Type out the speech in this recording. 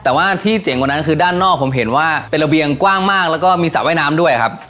แต่ว่าที่เจ๋งกว่านั้นคือด้านนอกผมเห็นว่าเป็นระเบียงกว้างมากแล้วก็มีสระว่ายน้ำด้วยครับ